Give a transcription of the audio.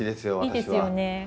いいですよね。